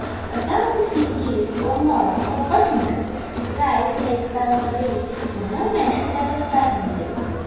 "A thousand feet deep, or more, or bottomless, lies Lake Belle Marie, for no man has ever fathomed it.